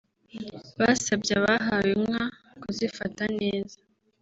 Basabye abahawe inka kuzifata neza